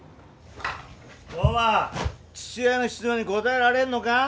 父親の質問に答えられんのか？